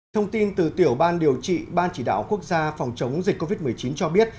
thông tin từ tiểu ban điều trị ban chỉ đạo quốc gia phòng chống dịch covid một mươi chín cho biết